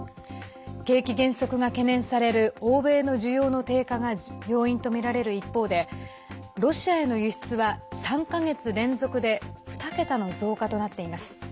景気減速が懸念される欧米の需要の低下が要因とみられる一方でロシアへの輸出は３か月連続で２桁の増加となっています。